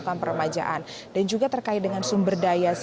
kampanja nabi buat members